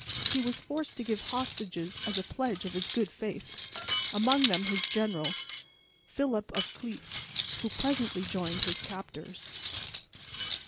He was forced to give hostages as a pledge of his good faith, among them his general, Philip of Cleef, who presently joined his captors.